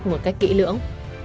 một cách kỹ lưỡng